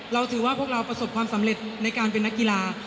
เราถือว่าพวกเราประสบความสำเร็จในการเป็นนักกีฬา